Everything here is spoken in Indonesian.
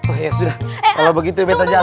oh ya sudah kalo begitu beta jalan